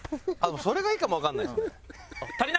それがいいかもわかんないですね。